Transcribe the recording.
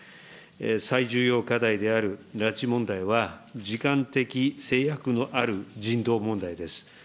最重要課題である拉致問題は、時間的制約のある人道問題です。